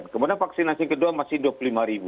kemudian vaksinasi kedua masih dua puluh lima ribu